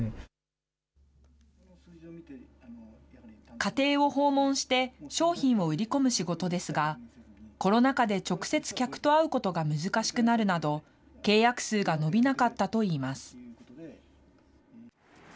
家庭を訪問して、商品を売り込む仕事ですが、コロナ禍で直接客と会うことが難しくなるなど、契約数が伸びなかったといいます。